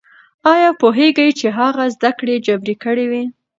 ايا پوهېږئ چې هغه زده کړې جبري کړې وې؟